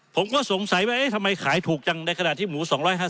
ผมก็สงสัยว่าเอ๊ะทำไมขายถูกจังในขณะที่หมู๒๕๐